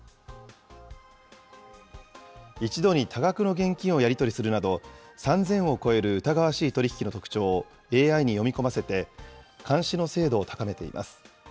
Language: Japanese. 一度に多額の現金をやり取りするなど、３０００を超える疑わしい取り引きの特徴をＡＩに読み込ませて、監視の精度を高めています。